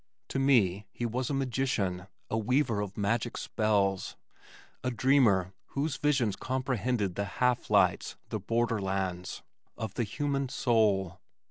To me he was a magician, a weaver of magic spells, a dreamer whose visions comprehended the half lights, the borderlands, of the human soul.